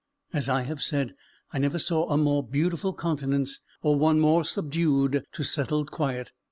As I have said, I never saw a more beautiful countenance or one more subdued to settled quiet.